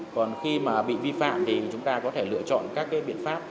còn khi mà bị vi phạm thì chúng ta có thể lựa chọn các biện pháp